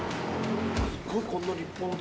すごいこんな立派なとこ。